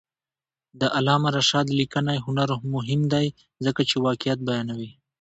د علامه رشاد لیکنی هنر مهم دی ځکه چې واقعیت بیانوي.